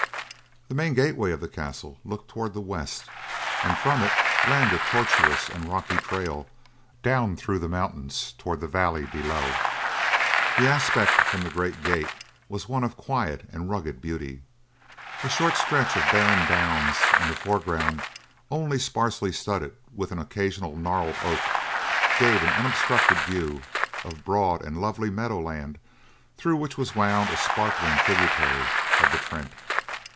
The main gateway of the castle looked toward the west and from it ran the tortuous and rocky trail, down through the mountains toward the valley below. The aspect from the great gate was one of quiet and rugged beauty. A short stretch of barren downs in the foreground only sparsely studded with an occasional gnarled oak gave an unobstructed view of broad and lovely meadowland through which wound a sparkling tributary of the Trent.